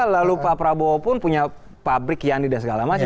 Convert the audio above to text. lalu pak prabowo pun punya pabrik yani dan segala macam